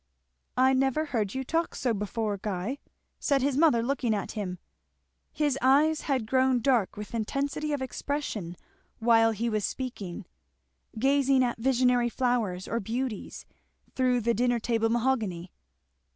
"I never heard you talk so before, Guy," said his mother looking at him. His eyes had grown dark with intensity of expression while he was speaking, gazing at visionary flowers or beauties through the dinner table mahogany.